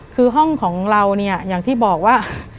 คือห้องของเราเนี่ยอย่างที่บอกว่า